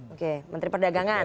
oke menteri perdagangan